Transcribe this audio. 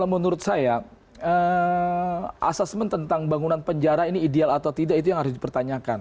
menurut saya asesmen tentang bangunan penjara ini ideal atau tidak itu yang harus dipertanyakan